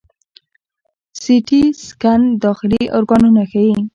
د سی ټي سکین داخلي ارګانونه ښيي.